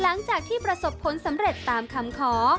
หลังจากที่ประสบผลสำเร็จตามคำขอ